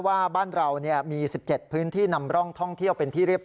ว่าบ้านเรามี๑๗พื้นที่นำร่องท่องเที่ยว